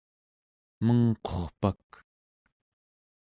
mengqurpak